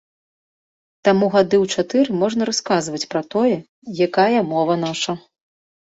Таму гады ў чатыры можна расказваць пра тое, якая мова наша.